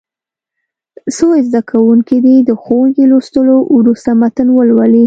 څو زده کوونکي دې د ښوونکي لوستلو وروسته متن ولولي.